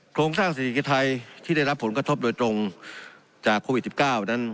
โครงสร้างเศรษฐกิจไทยที่ได้รับผลกระทบโดยตรงจากโควิด๑๙นั้น